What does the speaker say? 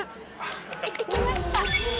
「行ってきました」